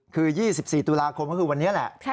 คือ๒๔ตุลาคมก็คือวันนี้แหละ